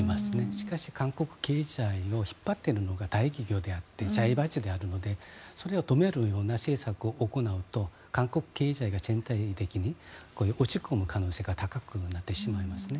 しかし、韓国経済を引っ張っているのは大企業であって財閥であるのでそれを止めるような政策を行うと韓国経済が全体的に落ち込む可能性が高くなってしまいますね。